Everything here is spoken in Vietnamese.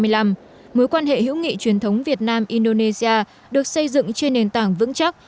mối quan hệ hữu nghị truyền thống việt nam indonesia được xây dựng trên nền tảng vững chắc